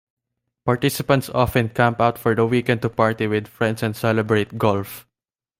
Participants often camp out for the weekend to party with friends and celebrate golf.